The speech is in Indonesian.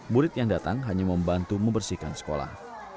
murid yang datang hanya membantu membersihkan sekolah